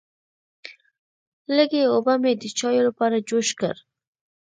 لږې اوبه مې د چایو لپاره جوش کړې.